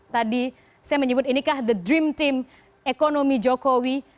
tadi saya menyebut inikah the dream team ekonomi jokowi